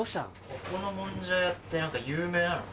ここのもんじゃ屋って何か有名なの？